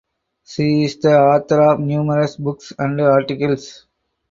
She is the author of numerous books and articles.